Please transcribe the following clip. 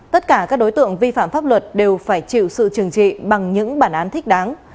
tất cả các đối tượng vi phạm pháp luật đều phải chịu sự trừng trị bằng những bản án thích đáng